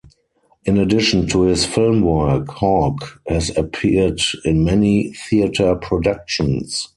In addition to his film work, Hawke has appeared in many theater productions.